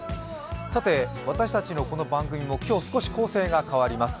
さて、私たちのこの番組も今日、少し構成が変わります。